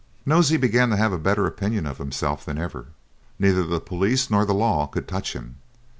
Nosey began to have a better opinion of himself than ever. Neither the police nor the law could touch him.